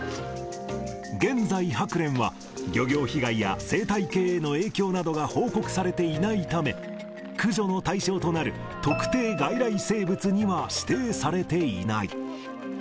現在、ハクレンは漁業被害や生態系への影響などが報告されていないため、駆除の対象となる特定外来生物には指定されていない。